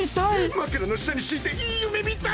枕の下に敷いていい夢見たい！